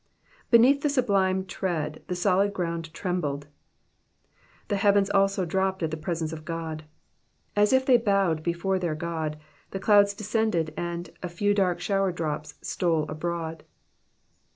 ''^ Beneath the sublime tread the solid ground trembled. "1%^ heavens also dropped at tfie presence of God^^^ as if they bowed before their Glod, the clouds descended, and " a few dark shower drops stole abroad."